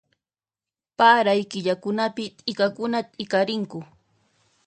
Paray killakunapi t'ikakuna t'ikarinku